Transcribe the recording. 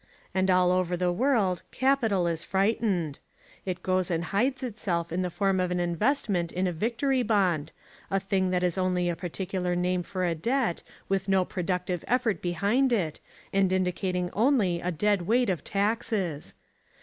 And all over the world capital is frightened. It goes and hides itself in the form of an investment in a victory bond, a thing that is only a particular name for a debt, with no productive effort behind it and indicating only a dead weight of taxes.